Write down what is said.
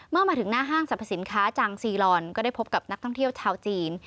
เมื่อมาถึงหน้าห้างสรรพสินค้าจังซีลอนก็ได้พบกับนักท่องเที่ยวชาวจีน